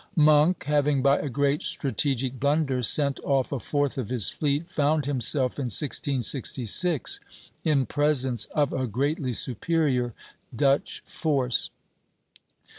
Monk, having by a great strategic blunder sent off a fourth of his fleet, found himself in 1666 in presence of a greatly superior Dutch force.